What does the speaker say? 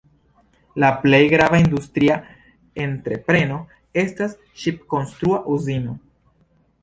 La plej grava industria entrepreno estas ŝip-konstrua uzino.